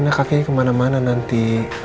rena kakeknya kemana mana nanti